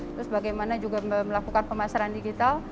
terus bagaimana juga melakukan pemasaran digital